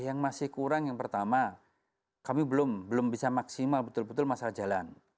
yang masih kurang yang pertama kami belum bisa maksimal betul betul masalah jalan